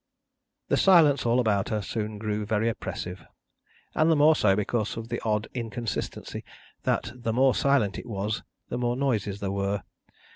The silence all about her soon grew very oppressive, and the more so because of the odd inconsistency that the more silent it was, the more noises there were.